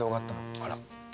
あら。